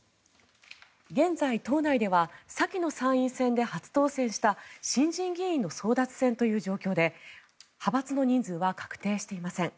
現在、党内では先の参院選で初当選した新人議員の争奪戦という状況で派閥の人数は確定していません。